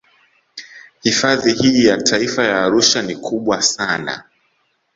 Hifadhi hii ya Taifa ya Arusha ni kubwa sana